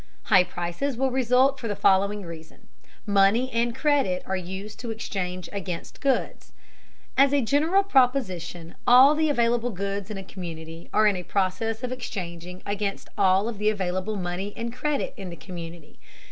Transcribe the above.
High prices will result for the following reason: Money and credit are used to exchange against goods. As a general proposition, all the available goods in a community are in a process of exchanging against all of the available money and credit in the community.